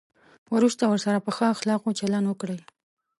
وروسته ورسره په ښو اخلاقو چلند وکړئ.